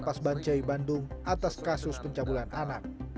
di lapas bancai bandung atas kasus pencabulan anak